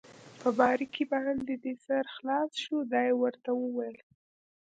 په باریکۍ باندې دې سر خلاص شو؟ دا يې ورته وویل.